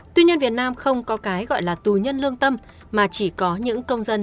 tuy nhiên việt nam không có cái gọi là tù nhân lương tâm mà chỉ có những công dân